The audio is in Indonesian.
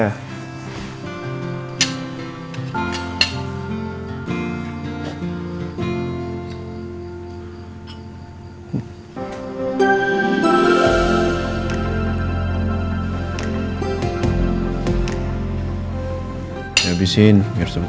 abisin biar sembuh